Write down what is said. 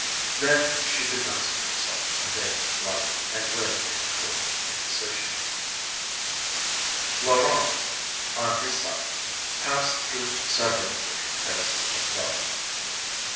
Then, she did not see herself in a very good light, and lived in cruel indecision. Laurent, on his side, passed through several different phases of love and fever.